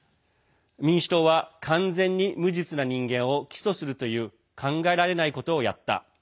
民主党は完全に無実な人間を起訴するという考えられないことをやった。